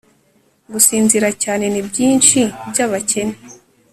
gusinzira cyane ni byinshi byabakene